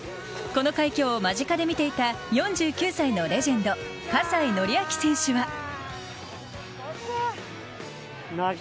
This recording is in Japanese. この快挙を間近で見ていた４９歳のレジェンド、葛西紀明選手は。